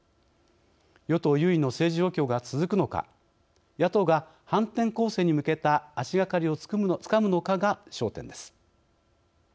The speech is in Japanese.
与党優位の政治状況が続くのか野党が反転攻勢に向けた足がかりをつかむのかが焦点です。